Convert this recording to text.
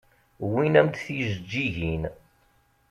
Wwin-am-d tijeǧǧigin.